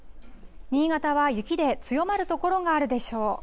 新潟は雪で強まる所があるでしょう。